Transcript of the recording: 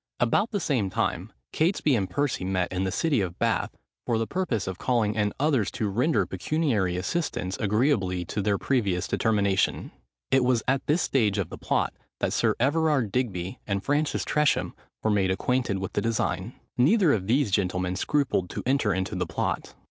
About the same time, Catesby and Percy met in the city of Bath, for the purpose of calling in others to render pecuniary assistance agreeably to their previous determination. It was at this stage of the plot, that Sir Everard Digby and Francis Tresham were made acquainted with the design. Neither of these gentlemen scrupled to enter into the plot.